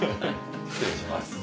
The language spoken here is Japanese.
失礼します。